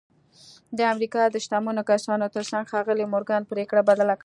د امریکا د شتمنو کسانو ترڅنګ ښاغلي مورګان پرېکړه بدله کړه